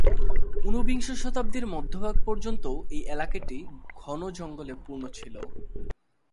ঊনবিংশ শতাব্দির মধ্যভাগ পর্যন্তও এই এলাকাটি ঘন জঙ্গলে পূর্ণ ছিল।